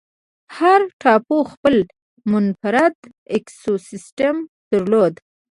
هر ټاپو خپل منفرد ایکوسیستم درلود.